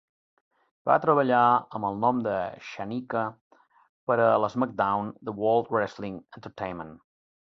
Va treballar amb el nom de Shaniqua per a l'SmackDown! de World Wrestling Entertainment.